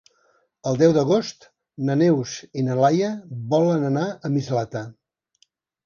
El deu d'agost na Neus i na Laia volen anar a Mislata.